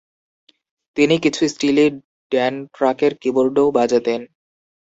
তিনি কিছু স্টিলি ড্যান ট্র্যাকের কীবোর্ডও বাজাতেন।